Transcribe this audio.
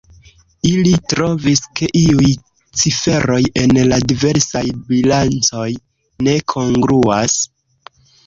Ili trovis, ke iuj ciferoj en la diversaj bilancoj ne kongruas.